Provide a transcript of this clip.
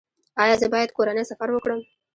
ایا زه باید کورنی سفر وکړم؟